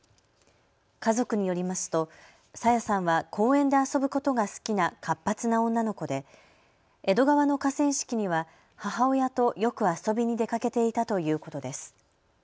家族によりますと朝芽さんは公園で遊ぶことが好きな活発な女の子で江戸川の河川敷には母親とよく遊びに出かけていたということです。